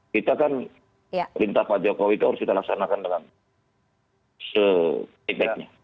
kita kan perintah pak jokowi itu harus kita laksanakan dengan se efektifnya